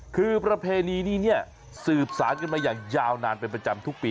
คือประเพณีนี้เนี่ยสืบสารกันมาอย่างยาวนานเป็นประจำทุกปี